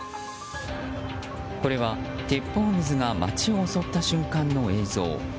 これは、鉄砲水が街を襲った瞬間の映像。